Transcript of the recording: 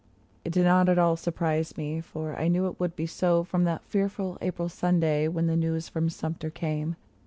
It did not at all surprise me, for I knew it would be so, From that fearful April Sunday when the news from Sumter came.